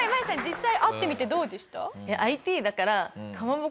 実際会ってみてどうでした？